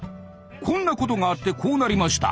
「こんなことがあってこうなりました。